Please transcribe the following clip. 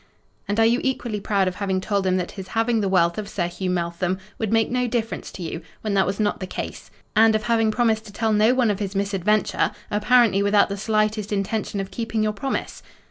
"And are you equally proud of having told him that his having the wealth of Sir Hugh Meltham would make no difference to you, when that was not the case; and of having promised to tell no one of his misadventure, apparently without the slightest intention of keeping your promise?"